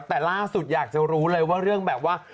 แต่ล่าสุดอยากจะรู้เลยว่าเรื่องแบบว่า